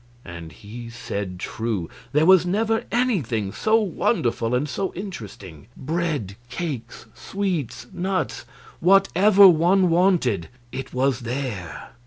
And he said true. There was never anything so wonderful and so interesting. Bread, cakes, sweets, nuts whatever one wanted, it was there.